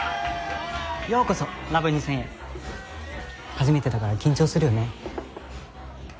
ようこそラブ２０００へ初めてだから緊張するよね